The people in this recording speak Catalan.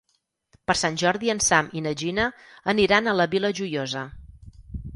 Per Sant Jordi en Sam i na Gina aniran a la Vila Joiosa.